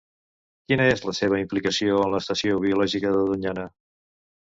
Quina és la seva implicació en la Estación Biológica de Doñana?